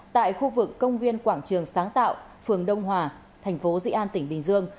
tại khu vực công viên quảng trường sáng tạo phường đông hòa thành phố dị an tỉnh bình dương